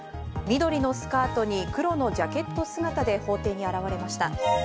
緑のスカートに黒のジャケット姿で法廷に現れました。